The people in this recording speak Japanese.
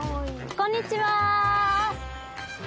こんにちは。